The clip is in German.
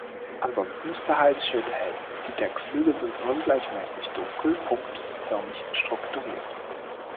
Ansonsten ist der Halsschild hell, die Deckflügel sind ungleichmäßig dunkel punktförmig strukturiert.